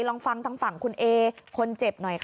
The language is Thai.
ลองฟังทางฝั่งคุณเอคนเจ็บหน่อยค่ะ